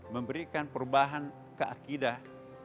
memberikan perubahan keakidah